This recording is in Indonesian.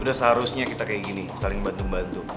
udah seharusnya kita kayak gini saling bantu bantu